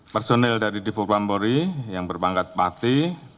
personil dari divuk pampori yang berbangkat parti